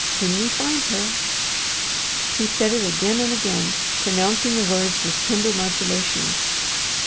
"When we find her!" He said it again and again, pronouncing the words with tender modulations.